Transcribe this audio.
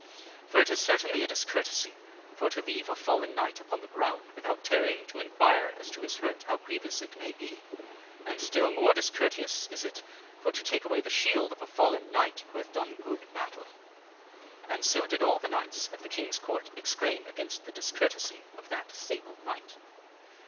For it is certainly a discourtesy for to leave a fallen knight upon the ground, without tarrying to inquire as to his hurt how grievous it may be. And still more discourteous is it for to take away the shield of a fallen knight who hath done good battle." GRIFLET ASKETH A BOON 45 And so did all the knights of the King's Court exclaim against the dis. courtesy of that Sable Knight.